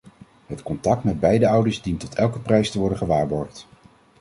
Het contact met beide ouders dient tot elke prijs te worden gewaarborgd.